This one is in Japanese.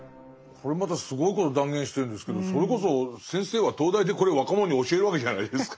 これまたすごいこと断言してるんですけどそれこそ先生は東大でこれ若者に教えるわけじゃないですか。